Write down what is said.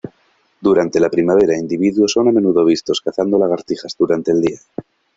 Durante la primavera individuos son a menudo vistos cazando lagartijas durante el día.